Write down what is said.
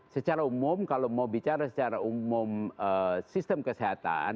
secara umum kalau mau bicara secara umum sistem kesehatan